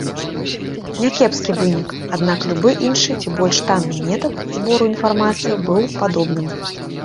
Някепскі вынік, аднак любы іншы і больш танны метад збору інфармацыі быў падобным.